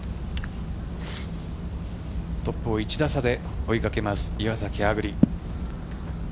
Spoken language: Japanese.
トップを１打差で追いかけます岩崎亜久竜。